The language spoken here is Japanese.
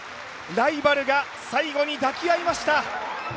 ライバルが最後に抱き合いました。